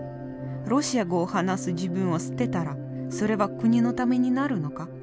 ロシア語を話す自分を捨てたらそれは国のためになるのか？